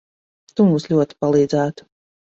Tu mums ļoti palīdzētu.